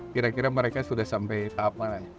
kira kira mereka sudah sampai tahap mana